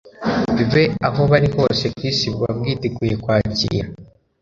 be aho bari hose ku isi buba bwiteguye kwakira